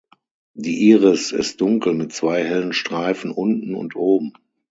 Die Iris ist dunkel mit zwei hellen Streifen unten und oben.